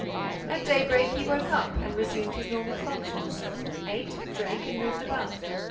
At daybreak, he woke up and resumed his normal functions: ate, drank and moved about.